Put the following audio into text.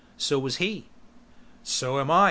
"So was he." "So am I!"